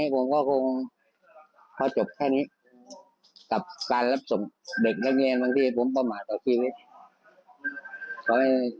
ผมก็ไม่อยากว่าเออ